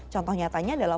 contoh nyatanya adalah